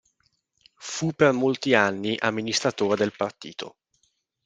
Fu per molti anni amministratore del partito.